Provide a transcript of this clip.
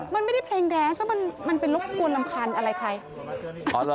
มันไม่ได้เพลงแดงซะมันไปรบกวนรำคาญอะไรใคร